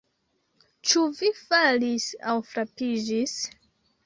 Ĉu vi falis aŭ frapiĝis?